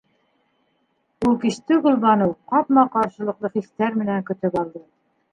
Ул кисте Гөлбаныу ҡапма-ҡаршылыҡлы хистәр менән көтөп алды.